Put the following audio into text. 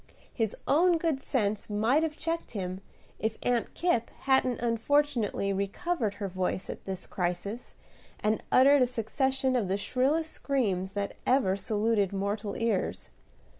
His own good sense might have checked him, if Aunt Kipp hadn't unfortunately recovered her voice at this crisis, and uttered a succession of the shrillest screams that ever saluted mortal ears.